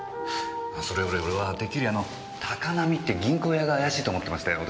それより俺はてっきり高浪って銀行屋が怪しいと思ってましたよ。